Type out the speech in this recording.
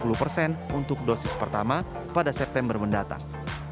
untuk dosis pertama pada september mendatang